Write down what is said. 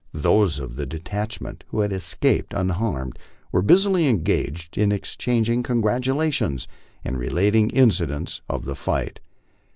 Those of the detachment who had escaped un harmed were busily engaged in exchanging congratulations and relating inci dents of the fight.